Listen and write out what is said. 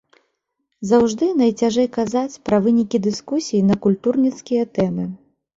Заўжды найцяжэй казаць пра вынікі дыскусій на культурніцкія тэмы.